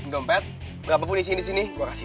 dompet berapa pun isiin di sini gue kasih